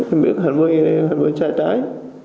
em biết hành vi này hành vi sai trái